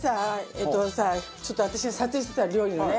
えっとさちょっと私が撮影してたの料理のね。